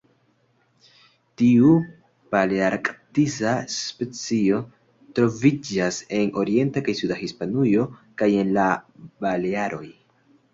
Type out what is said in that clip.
Tiu palearktisa specio troviĝas en orienta kaj suda Hispanujo, kaj en la Balearoj.